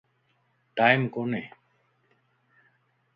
ٽيم ڪوني